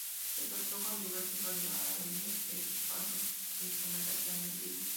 Se efectuó con diversos bailarines de respaldo, e instrumentación en vivo.